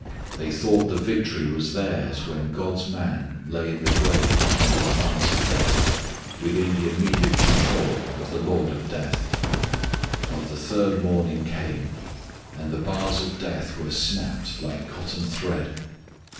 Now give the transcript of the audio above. They thought the victory was theirs when God's Man lay in the grave under the bars of death, within the immediate control of the lord of death. But the third morning came and the bars of death were snapped like cotton thread.